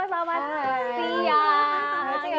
halo selamat siang